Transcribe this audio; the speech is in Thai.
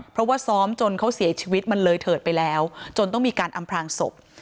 เพราะว่าซ้อมจนเขาเสียชีวิตมันเลยเถิดไปแล้วจนต้องมีการอำพลางศพ